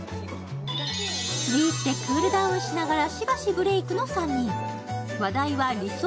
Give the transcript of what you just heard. スイーツでクールダウンしながらしばしブレークの３人。